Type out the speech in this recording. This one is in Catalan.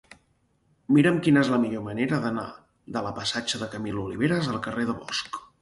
Mira'm quina és la millor manera d'anar de la passatge de Camil Oliveras al carrer de Bosch.